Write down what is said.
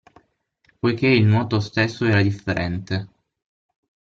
Poiché il nuoto stesso era differente.